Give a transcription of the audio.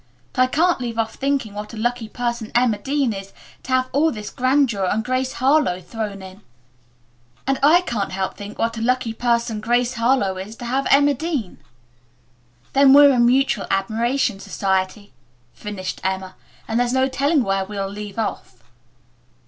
But I can't leave off thinking what a lucky person Emma Dean is to have all this grandeur and Grace Harlowe thrown in." "And I can't help thinking what a lucky person Grace Harlowe is to have Emma Dean." "Then we're a mutual admiration society," finished Emma, "and there's no telling where we'll leave off."